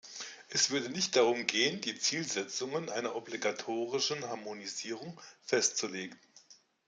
Es würde nicht darum gehen, die Zielsetzungen einer obligatorischen Harmonisierung festzulegen.